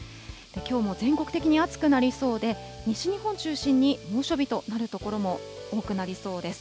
きょうも全国的に暑くなりそうで、西日本中心に猛暑日となる所も多くなりそうです。